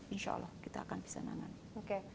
insya allah kita akan bisa menangani